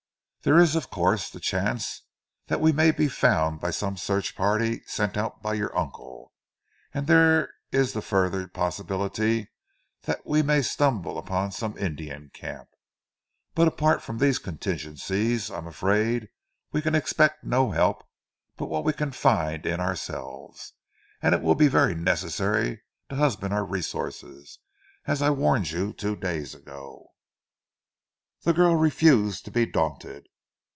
"There is, of course, the chance that we may be found by some search party sent out by your uncle; and there is the further possibility that we may stumble on some Indian camp; but apart from these contingencies, I am afraid we can expect no help but what we can find in ourselves, and it will be very necessary to husband our resources, as I warned you two days ago." The girl refused to be daunted.